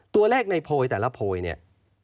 ตัวเลขในโพยแต่ละโพยเนี่ย